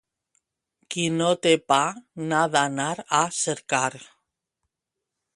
Qui no té pa n'ha d'anar a cercar.